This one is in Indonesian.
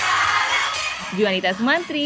atau mau karaoke masal bersama para k popers nih